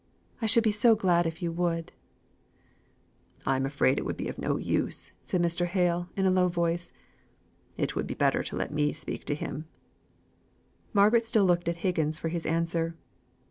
I should be so glad if you would." "I'm afraid it would be of no use," said Mr. Hale, in a low voice. "It would be better to let me speak to him." Margaret still looked at Higgins for his answer.